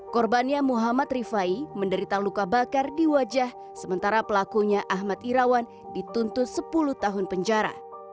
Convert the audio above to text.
korbannya muhammad rifai menderita luka bakar di wajah sementara pelakunya ahmad irawan dituntut sepuluh tahun penjara